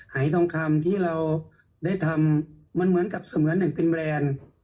หายทองคำที่เราได้ทำมันเหมือนกับเสมือนอย่างเป็นแบรนด์